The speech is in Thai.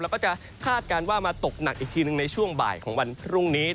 แล้วก็จะคาดการณ์ว่ามาตกหนักอีกทีหนึ่งในช่วงบ่ายของวันพรุ่งนี้